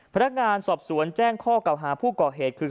พนักงานสอบสวนแจ้งข้อเก่าหาผู้ก่อเหตุคือ